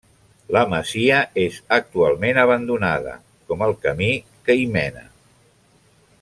La masia és actualment abandonada, com el camí que hi mena.